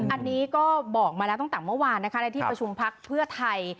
อันนี้ก็บอกมาตั้งแต่เมื่อวานในที่ประชุมพักษณ์เพื่อไทย